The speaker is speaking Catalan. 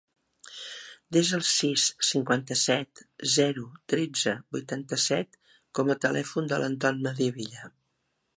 Desa el sis, cinquanta-set, zero, tretze, vuitanta-set com a telèfon de l'Anton Mediavilla.